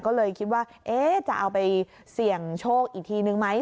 ก็เลยคิดว่าจะเอาไปเสี่ยงโชคอีกทีนึงไหม